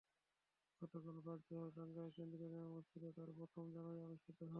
গতকাল বাদ জোহর টাঙ্গাইল কেন্দ্রীয় জামে মসজিদে তাঁর প্রথম জানাজা অনুষ্ঠিত হয়।